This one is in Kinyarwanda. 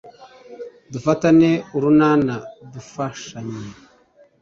Dufatane urunana dufashanye